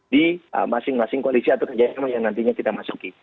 di masing masing koalisi atau kerjasama yang nantinya kita masuki